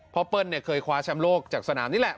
เปิ้ลเคยคว้าแชมป์โลกจากสนามนี่แหละ